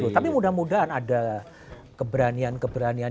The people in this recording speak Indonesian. tapi mudah mudahan ada keberanian keberanian